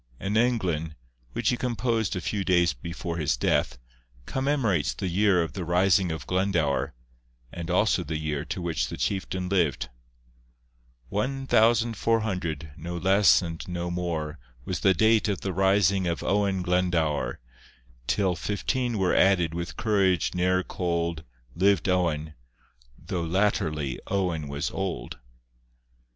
An englyn, which he composed a few days before his death, commemorates the year of the rising of Glendower, and also the year to which the chieftain lived:— 'One thousand four hundred, no less and no more, Was the date of the rising of Owen Glendower; Till fifteen were added with courage ne'er cold Liv'd Owen, though latterly Owen was old.